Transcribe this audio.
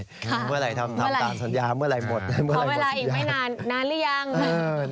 ค่ะเมื่อไหร่ทำทำตามสัญญาเมื่อไหร่หมดเมื่อไหร่หมดสัญญาขอเวลาอีกไม่นานนานหรือยัง